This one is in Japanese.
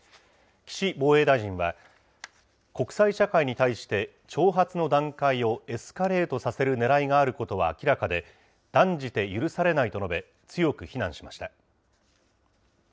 岸防衛大臣は、国際社会に対して挑発の段階をエスカレートさせるねらいがあることは明らかで、断じて許されないと述べ、強く非難しました。